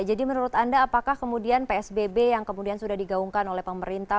jadi menurut anda apakah kemudian psbb yang kemudian sudah digaungkan oleh pemerintah